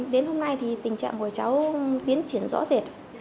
đến hôm nay thì tình trạng của cháu tiến triển rõ rệt